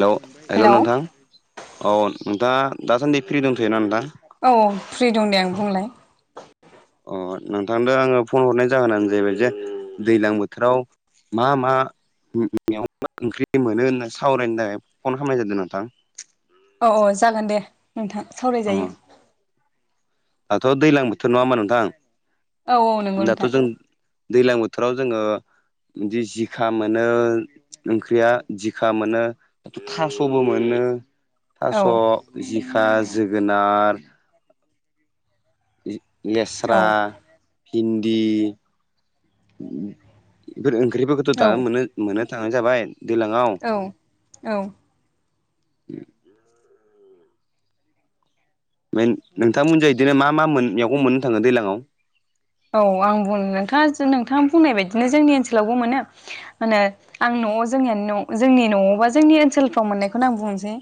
Hello hello hello नोंथां औ औ नोंथाङा दासान्दि फ्रि दंथ'योना नोंथां‌ औ औ फ्रि दं दे आं बुंलाय अ नोंथांदो आङो फन हरनाय जाहोनानो जाहैबाय जे दैलां बोथोराव मा मा मेगं बा ओंख्रि मोनो होनना सावरायनो थाखाय फन खामनाय जादों नोंथां औ औ जागोन दे नोंथां अ सावरायजायो दाथ' दैलां बोथोर नङा होमबा नोंथां औ औ नंगौ दाथ' नोंथां जों दैलां बोथोराव जोङो बिदि जिखा मोनो ओंख्रिया जिखा मोनो दाथ' थास'बो मोनो औ थास' जिखा जोगोनार लेस्रा औ भिन्दि इफोर ओंख्रिफोरखोथ' दा औ मोननो-मोननो थांनाय जाबाय दैलाङाव औ औ मेन नोंथांमोनजा इदिनो मा मा मोन मेगं मोननो थाङो दैलाङाव औ आं बुं नोंथाङा जों नोंथाङा बुंनाय बायदिनो जोंनि ओनसोलावबो मोनो माहोनो आं न'आव जोंनिया न' जोंनि न'आव बा जोंनि ओनसोलफ्राव मोननायखौनो आं बुंनोसै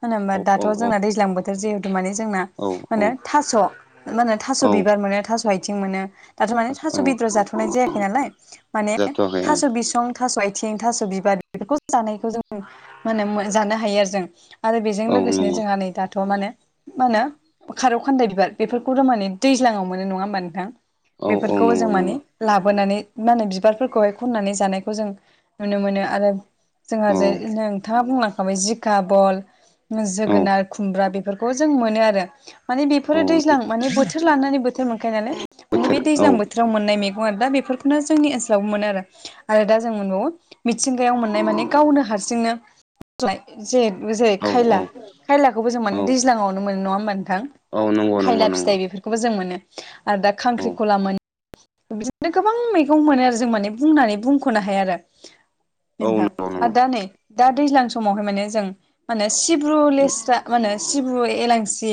होन होमबा औ औ दाथ' औ जोंना दैज्लां बोथोर जिहेथु माने जोंना माहोनो औ थास' माहोनो थास' औ बिबार मोनो थास' आइथिं मोनो दाथ' माने थास' औ बेदर जाथ'नाय जायाखै नालाय माने जाथ'वाखै ओं थास' बिसं थास' आइथिं थास' बिबार बेफोरखौ जानायखौ जों माहोनो जानो हायो आरो जों आरो बेजों औ लोगोसेनो नंगौ जोंहा नै दाथ' माने मा होनो खारौ खान्दाय बिबार बेफोरखौ माने दैज्लाङाव मोनो नङा होमबा नोंथां औ औ बेफोरखौ नंगौ जों माने नंगौ लाबोनानै मा होनो बिबारफोरखौहाय खननानै जानायखौ जों नुनो मोनो आरो जोंहा औ जे नोंथाङा बुंलांखाबाय जिखा बल औ जोगोनार खुमब्रा बेफोरखौ जों मोनो आरो माने औ बेफोरो दैज्लां माने बोथोर लानानै बोथोर मोनखायो नालाय माने बोथोर बे औ दैज्लां बो थोराव मोननाय मैगं आरो दा बेफोरखौनो जोंनि ओनसोलावबो मोनो आरो दा जों मोनबावो मिथिंगायाव मोननाय माने गावनो हारसिंनो [unintelligible] जे-जेरै औ खायला खायलाखौबो जों माने औ दैज्लाङावनो मोनो नङा होमबा औ नंगौ नोंथां नंगौ खायला नंगौ फिथाइ बेफोरखौबो जों मोनो आरो दा औ खांख्रिखला मोन बिदिनो गोबां मैगं मोनो आरो जों माने बुंनानै बुंख'नो हाया आरो औ नोंथां नंगौ आरो नंगौ दा नै दा दैज्लां समावहाय माने जों माने सिब्रु लेस्रा म होनो सिब्रु एलांसि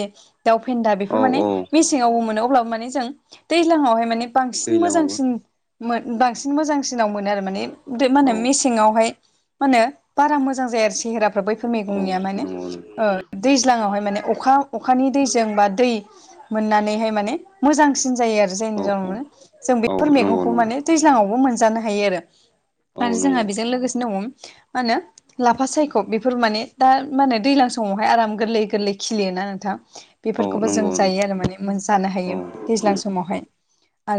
दाउ फेन्दा औ बेफोर माने औ मोन अब्ला माने जों दैज्लाङावहाय माने बांसिन दैलाङावबो मोजांसिन बांसिन मोजांसिनाव मोनो आरो माने मा होनो औ मेसेंआवहाय म होने बारा मोजां जाया आरो सेहेराफ्रा बैफोर औ मैगंनिया माने नंगौ दैज्लाङावहाय माने अखा अखानि दैजों बा दै मोननानैहाय माने मोजांसिन जायो आरो औ जायनियाव जों औ बेफोर नंगौ मैगंखौ नंगौ माने दैज्लाङावबो मोनजानो हायो आरो औ आरो जोंहा नंगौ बेजों लोगोसे दङ मा होनो लाफा सायख' बेफोर माने दा माे दैज्लां समावहाय आराम गोरलै गोरलै खिलियोना नोंथां औ बेफोरखौबो जों नंगौ जायो आरो माने जानो औ हायो औ दैज्लां समावहाय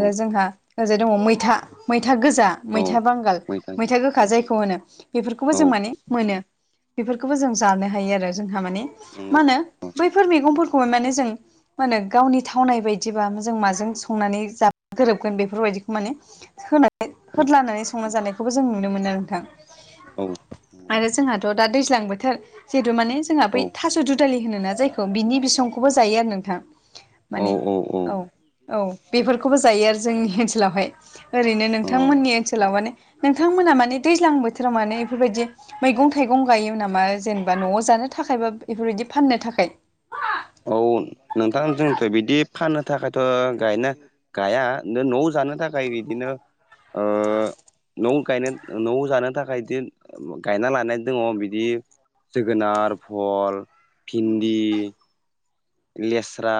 औ जोंहा ओजाय दङ मैथा मैथा गोजा औ मैथा बांगाल मैथा गो जायखौ होनो बेफोरखौबो औ जों माने मोनो बेफोरखौबो जों जानो हायो आरो जोंहा माने नंगौ मा होनो बैफोर मैगं माने जों गावनि थावनाय बायदिब जों माजों संनानै जा गोरोबगोन बेफोरबायदिखौ माने होनानै औ होदलानानै संना जानायखौबो जों नुनो मोनो नोंथां औ आरो जोंहाथ' दा दैज्लां बोथोर जिहेतु माने जोंहा औ बै थस' दुदालि होनोना जायखौ बिनि बिसंखौबो जायो आरो नोंथां माने औ औ बेफोर बेखौबो जायो आरो जोंनि ओनसोलावहाय ओरैनो नोंथांमोननि औ ओनसोलाव माने नोंथांमोना माने दैज्लां बोथोराव माने बेफोरबायदि मैगं थाइगं गायो नामा जेनेबा न'आव जानो थाखाय बा बेफोरबायदि फाननो थाखाय औ नोंथां जोंथ' बिदि फाननो थाखायथ' गायना गाया न' आव जानो थाखाय बिदिनो न' गायनो न' जानो थाखाय बिदि गायना लानाय दङ बिदि जोगोनार फल भिन्दि लेस्रा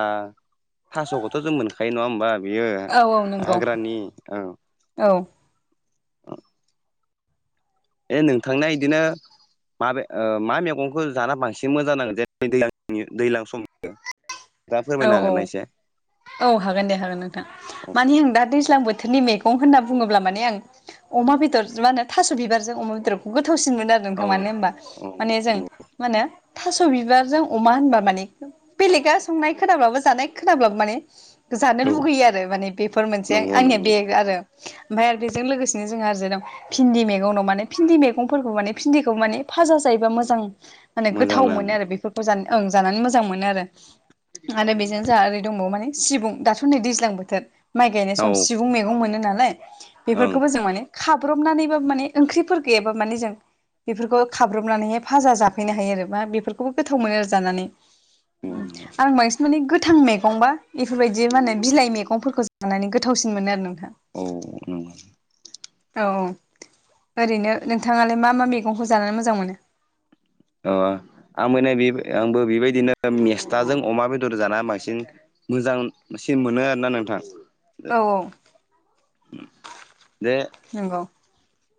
थास'खौथ' जों मोनखायो नङा होमबा बेयो औ औ नंगौ हाग्रानि औ औ ए नोंथांना बिदिनो म मा मैगंखौ जाना बांसिन मोजां नांगो जेनेबा दैज्लां दैज्लां समनि दा औ फोरमायनो औ हागोनना एसे औ हागोन दे हागोन नोंथां औ मानि आं दा दैज्लां बोथोरनि मैगं होनना बुङोब्ला माने आं अमा बेदर मा होनो थास' बिबारजों अमा बेदरखौ गोथावसिनमोनो आरो औ मानो होनबा माने जों औ मा होनो थास' बिबारजों अमा होनबा माने बेलेगा संनाय खोनाब्लाबो जानाय खोनाब्लाबो माने जानो औ लुगैयो आरो माने बेफोर मोनसे नंगौ आंनिया नंगौ बे आरो ओमफ्राय आरो बेजों लोगोसेनो जोंहा आरैजा दं भिन्दि मैगं दं माने भिन्दि मैगंफोरखौ माने भिन्दिखौ माने फाजा जायोबा मोजां माने मोजां गोथाव मोनो नाङो आरो बेफोरखौ जा ओं जानानै मोजां मोनो आरो आरो बेजों जा ओरै दंबावो माने सिबुं दाथ' नै दैज्लां बोथोर माइ गायनाय औ सम सिबु बु मैगं मोनो नालाय ओं बेफोरखौबो जों माने खाब्रबनानैबो माने ओंख्रिफोर गैयाबाबो माने जों बेफोरखौ खाब्रबनानैहाय फाजा जाफैनो हायो आरो मा बेफोरखौबो गोथाव मोनो आरो जानानै नंगौ नामा आं बांसिन माने गोथां मैगंबा बेफोरबायदि मानो बिलाइ मैगंफोरखौ नानै गोथावसिन मोनो आरो नोंथां औ नंगौ औ औ ओरैनो नोंथाङालाय मा मा मैगंखौ जानानै मोजां मोनो अ आंबो बे आंबो बेबायदिनो मेस्थाजों अमा बेदर जाना बांसिन मोजांसिन मोनो आरोना नोंथां औ औ जे नंगौ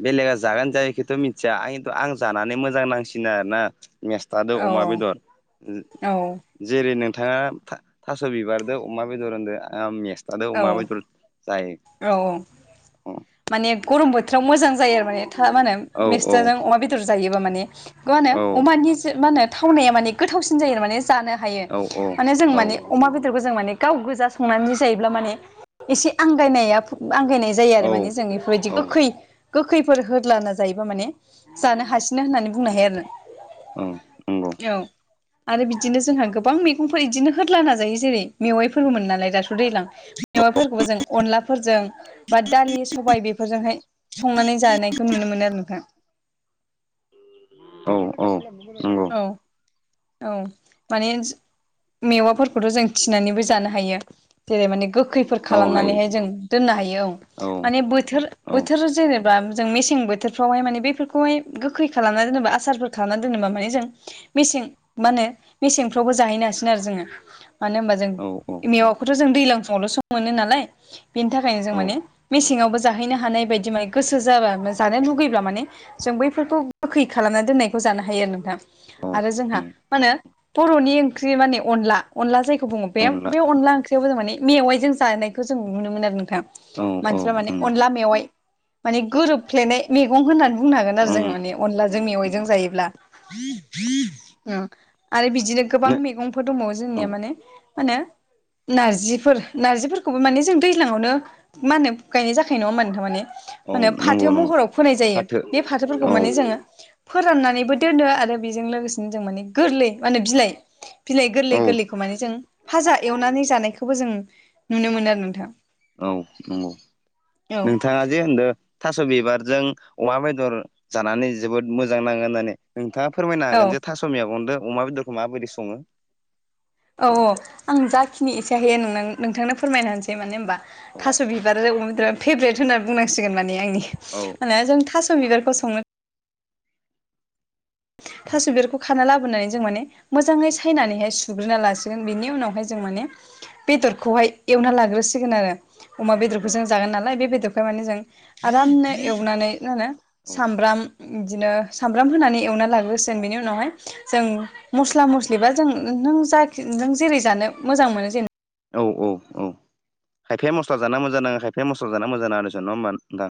बेलेगा जागोन जाया बेखौथ' मिथिया आंथ आं जानानै मोजां नांसिनो आरोना मेस्थादो औ अमा बेदर औ जेरै नोंथाङा थास' बिबारदो अमा बेदर होनदो आं मेस आरो औ अमा बेदर जायो औ औ माने गरम बोथोराव मोजां जायो आरो माने था मा होनो औ औ मेस्थाजों अमा बेदर जायोबा माने बेखौ औ माहोनो अमानि मा होनो थावनाया माने गोथावसिन जायो आरो माने जानो हायो औ माने जों औ माने अमा बेदरखौ जों माने गाव गोजा संनानै जायो जायोब्ला माने इसे आंगायनाया जायो माने औ जों बेफोरबायदि औ गोखै गोखैफोर होदलाना जायोबा माने जानो हासिनो होननानै बुंनो हायो औ नंगौ आरो औ आरो बिदिनो जोंहा गोबां मैगंफोर इदिनो होदलाना जायो जेरै मेवाइफोरबोमोनो नालाय दाथ' दैज्लां मेवाइफोरखौबो जों अनलाफोरजों बा दालि सबाय बेफोरजोंहाय संनानै जानायखौ नुनो मोनो आरो नोंथां औ औ नंगौ औ औ माने मेवाफोरखौथ' जों थिनानैबो जानो हायो जेरै माने गोखै फोर औ हायो खालामनानैहाय जों दोननो हायो औ माने बोथोर औ बोथोर जेनेबा जों मेसें बोथोरफ्रावहाय माने बेफोरखौहाय गोखै खालामना दोनोबा आसारफोर खालामना दोनोबा माने मेसें मा होनो मेसेंफ्रावबो जाहैनो हासि गोन आरो जोङो मानो होनबा जों मेवाखौथ' जों दैलां समावलसो सम मोनो नालाय बेनि थाखायनो जों औ माने मेसेङावबो जाहैनो हानाय बायदि माने गोसो जाबा जानो लुगैब्ला माने जों बैफोरखौ गोखै खालामना दोननायखौ जानो हायो आरो नोंथां। औ आरो जोंहा मा होनो बर'नि ओंख्रि माने अनला अनला जायखौ बुङो बे बे अनला ओंख्रि खौ जों माने मेवाइजों जानायखौ जों नुनो मोन आरो नोंथां औ औ मानसिफ्रा माने नंगौ अनला मेवाइ माने गोरोबफ्लेनाय मेगं होननानै बुंनो हागोन आरो ओं जोङो माने अनलाजों नंगौ मेवाइजों नंगौ जायोब्ला। [inaudible] औ आरो बिदिनो गोबां मैगंफोर दंबावो औ जोंनिया माने मा होनो नारजिफोर नारजिफोरखौबो माने जों दैज्लाङावनो मा होनो गायनाय जाखायो नङा होमबा नोंथां माने औ मा होनो नंगौ फाथो नंगौ महराव फोनाय जायो फाथो बे फाथोफोरखौ औ माने जोङो फोराननानैबो दोनो आरो बेजों लोगोसेनो जों माने गोरलै माने बिलाइ बिलाइ औ गोरलै गोरलै खौ माने जों फाजा एवनानै जानायखौबो जों नुनो मोनो आरो नोंथां औ नंगौ औ नोंथाङा जे होनदों थास' बिबारजों अमा बेदर जानानै जोबोद मोजां नाङो होननानै नोंथाङा फोरमायनो औ हागोन जे थास मेगंदों अमा बेदरखौ माबायदि सङो? औ औ आं जाखिनि एसे हयो नोंनो नोंथांनो फोरमायना होनोसै मानो होनबा औ थास' बि बारजों अमा बेदरा फेभरेट होननानै बुंनसिगोन माने आंनि औ ना जों थास' बिबारखौ संनो थास' बिबारखौ खाना लाबोनानै जों माने मोजाङै सायनानैहाय सुग्रोना लासिगोन बेनि उनावहाय जों माने बेदरखौहाय एवना लाग्रोसिगोन आरो। अमा औ बेदरखौ जों जागोन नालाय बे बेदरखौ माने जों आरामनो एवनानै मा होनो औ सामब्राम इदिनो सामब्राम होनानै एवना लाग्रोसिगोन बेनि उनावहाय जों मस्ला मस्लि बा जों नों जा नों जेरै जानो मोजां मोनो जेने औ औ औ खायफाया मस्ला जाना मोजां नाङो खायफाया मस्ला जानो मोजां नाङा होननांसिगोन नङा होमबा नोंथां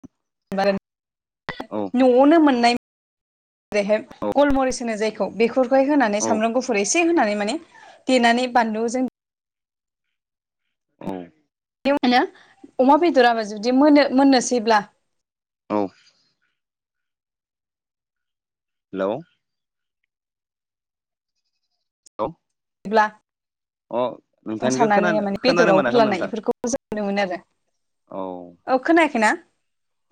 औ न'वावनो मोननाय बेहाय औ गलमरिस होनोजे बेफोरखौहाय होनानै औ सामब्राम गुफुर एसे होनानै माने देनानै बानलुजों औ मोनो अमा बेदराबो जुदि मोनो मोननोसैब्ला औ हेलौ औ बिदिब्ला अ नोंथांनिखौ मुसानानै खोनानो माने खोनानो बेदराव मोनाखैमोन होरलानाय नोंथां बेफोरखौ जों नुनो मोनो आरो औ औ खोनायाखैना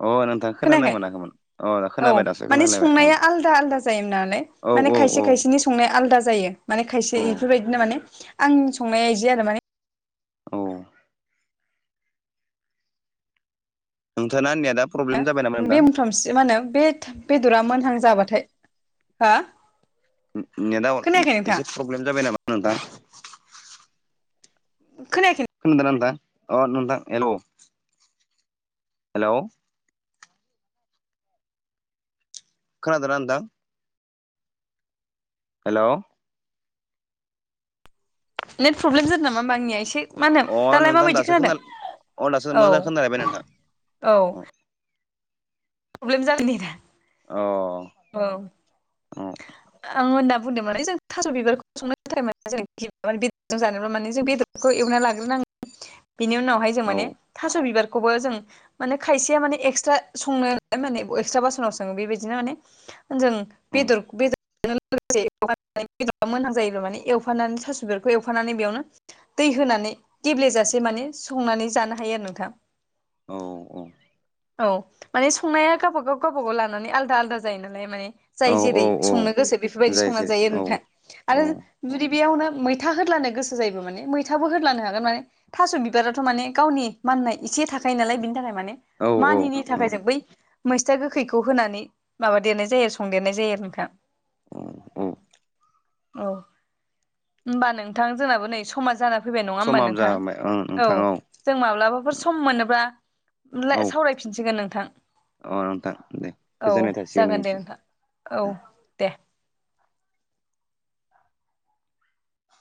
अ नोंथां खोनानो खोनायाखै मोनाखैमोन अ औ खोनाबाय दासो माने खोनालायबाय औ संनाया आलदा आलदा जायोनालाय औ माने औ खायसे औ खायसेनि संनाया आलादा जायो माने औ खायसे इफोरबायदिनो माने आंनि संनाया इदि आरो माने औ नोंथांना नेतआ प्रब्लेम जाबाय नामा नोंथां? से मा होनो बे बेदरा मोनहां जाबाथाय हो नेटआ एसे प्रब्लेम जाबाय नामा नोंथां? खोनायाखै खोनादोंना नोंथां अ नोंथां हेल' हेलौ खोनादोंना नोंथां हेलौ नेट प्रब्लेम जादों नामा होमबा आंनिया एसे मा होनो अ दालाय नोंथां माबायदि दासो खोनादों खोना अ दासो औ मोजां खोनालायबाय नोंथां औ अ प्रब्लेम जादों नेदा अ औ अ आं होनना बुंदों माने जों थास' बिबारखौ संनो थाखाय मोने जोङो बेदरजों जानोब्ला माने जों बेदर खौ एवना लाग्रोनांगौ बेनि औ उनावहाय थास'बिबारखौबो जों माने खायसेया एक्सट्रा सङो माने एक्सट्रा बासनाव सङो बेबायदिनो माने जों औ बेदर बेदर बे बेदरा मोनहां जायोब्ला माने एवफानानै थासु बेखौ एवफानानै बेयावनो [unintelligible] दै होनानै गेब्लेजासे माने संनानै जानो हायो आरो नोंथां। औ औ औ माने संनाया गावबा गाव गावबा गाव लानानै आलदा आलदा जायो नालाय माने औ जाय औ जेरै संनो औ गोसो बेफोरबायदि जाय संना जेरै जायो आरो औ नोंथा। औ आरो जुदि बेयावनो मैथा होदलानो गोसो जायोबो माने मैथाबो होदलानो हागोन माने। थास' बिबाराथ' माने गावनि माननाय एसे थाखायो नालाय बिनि थाखाय माने औ मानिनि औ थाखाय जों बै मैस्था गोखैखौ होनानै माबादेरनाय जायो आरो संदेरनाय जायो आरो नोंथां। औ औ उ [inaudible] औ ओमबा नोंथां जोंनाबो नै समा जाना फैबाय नङा होमबा समाबो नोंथां जाबाय ओं औ नोंथां जों माब्लाबाफोर सम मोनोबा औ सावरायफिनसिगोन नोंथां औ नोंथां दे औ गोजोननाय थासिगोन जागोन दे नोंनिसिम नोंथां औ दे।